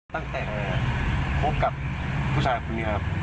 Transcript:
ตั้งแต่ละครั้งพบกับผู้ชายคุณนี้ครับ